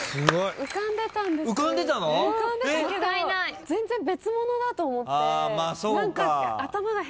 浮かんでたけど全然別物だと思って。